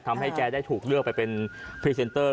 ทำให้แกได้ถูกเลือกไปเป็นพรีเซนเตอร์